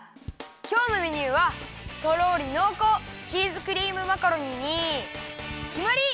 きょうのメニューはとろりのうこうチーズクリームマカロニにきまり！